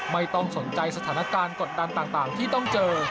ไม่ต้องสนใจสถานการณ์กดดันต่างที่ต้องเจอ